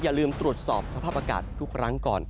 อย่าลืมตรวจสอบสภาพอากาศทุกครั้งก่อน